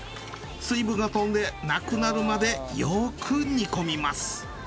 水分が飛んでなくなるまでよく煮込みます。